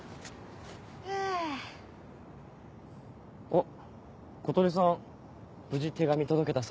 あっ。